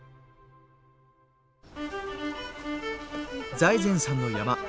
財前さんの山。